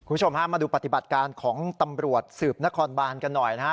คุณผู้ชมฮะมาดูปฏิบัติการของตำรวจสืบนครบานกันหน่อยนะฮะ